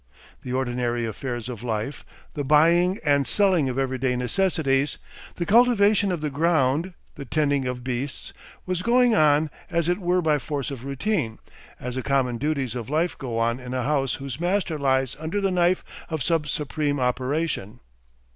The ordinary affairs of life, the buying and selling of everyday necessities, the cultivation of the ground, the tending of beasts, was going on as it were by force of routine, as the common duties of life go on in a house whose master lies under the knife of some supreme operation.